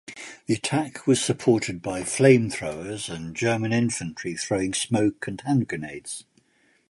The attack was supported by flame-throwers and German infantry throwing smoke- and hand-grenades.